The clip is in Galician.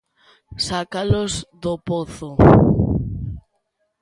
Sacalos do pozo.